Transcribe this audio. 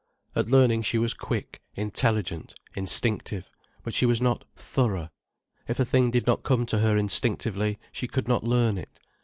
At learning she was quick, intelligent, instinctive, but she was not "thorough". If a thing did not come to her instinctively, she could not learn it.